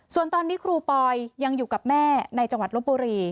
ส่วนตอนนี้ครูปอยยังอยู่กับแม่ในจังหวัดลบบุรี